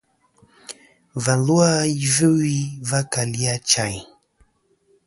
Và lu a Yvɨwi va kali Achayn.